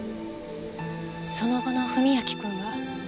その後の史明君は？